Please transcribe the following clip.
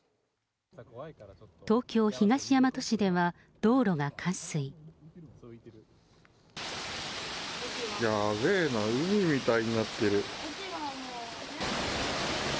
東京・東大和市では道路が冠水。やべぇな、海みたいになってる。